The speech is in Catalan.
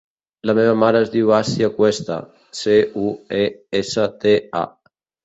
La meva mare es diu Assia Cuesta: ce, u, e, essa, te, a.